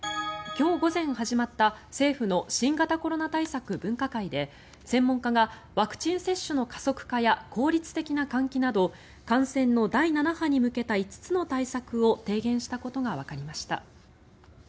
今日午前始まった政府の新型コロナ対策分科会で専門家がワクチン接種の加速化や効率的な換気など感染の第７波に向けた５つの対策を提言したことがわかりました。